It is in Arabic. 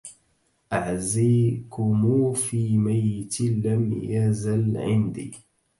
أعزيكمو في ميت لم يزل عندي